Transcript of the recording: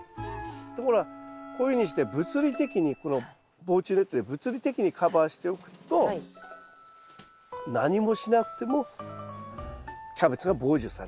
ところがこういうふうにして物理的にこの防虫ネットで物理的にカバーしておくと何もしなくてもキャベツが防除されると。